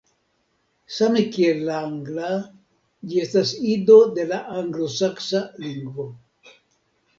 Same kiel la angla, ĝi estas ido de la anglosaksa lingvo.